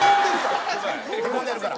へこんでるから？